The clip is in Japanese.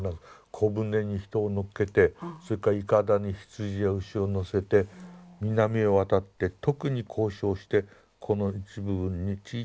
小舟に人を乗っけてそれからいかだに羊や牛を乗せて南へ渡って特に交渉をしてこの一部分にちいちゃな村を持ちます。